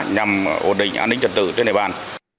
nhằm ổn định an ninh trật tự trên địa bàn